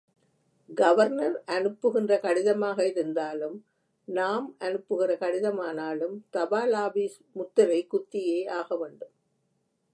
Governor அனுப்புகின்ற கடிதமாக இருந்தாலும், நாம் அனுப்புகிற கடிதமானாலும் தபாலாபீஸ் முத்திரை குத்தியே யாக வேண்டும்.